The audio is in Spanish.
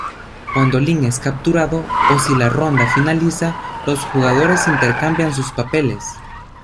Cuando Link es capturado, o si la ronda finaliza, los jugadores intercambian sus papeles.